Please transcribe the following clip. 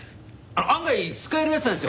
案外使える奴なんですよ。